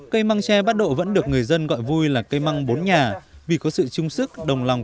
cây măng tre bắt độ vẫn được người dân gọi vui là cây măng bốn nhà vì có sự trung sức đồng lòng